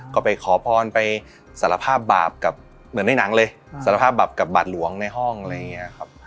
ก็ไปขอพรไปสารภาพบาปกับเหมือนในหนังเลยสารภาพบาปกับบาทหลวงในห้องอะไรอย่างนี้ครับ